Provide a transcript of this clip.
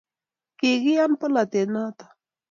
Kikiyan polatet noto